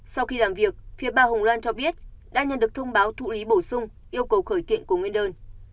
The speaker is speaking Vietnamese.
sau khi làm việc phía bà hồng loan cho biết đã nhận được thông báo thụ lý bổ sung yêu cầu khởi kiện của nguyên đơn